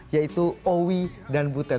yaitu owi dan butet